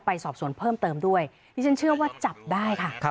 สอบสวนเพิ่มเติมด้วยดิฉันเชื่อว่าจับได้ค่ะ